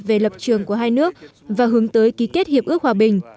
về lập trường của hai nước và hướng tới ký kết hiệp ước hòa bình